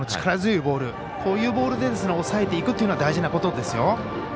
力強いボールこういうボールで抑えていくというのは大事なことですよ。